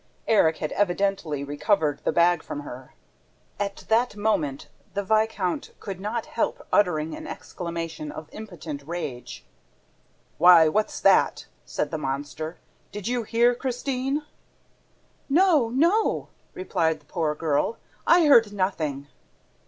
Erik had evidently recovered the bag from her. At that moment, the viscount could not help uttering an exclamation of impotent rage. "Why, what's that?" said the monster. "Did you hear, Christine?" "No, no," replied the poor girl. "I heard nothing."